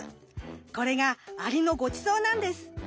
これがアリのごちそうなんです。